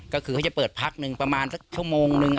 ก็คือเขาจะเปิดพักหนึ่งประมาณสักชั่วโมงนึง